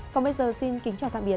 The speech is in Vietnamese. còn bây giờ xin kính chào tạm biệt